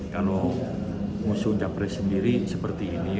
kalau mengusung capres sendiri seperti ini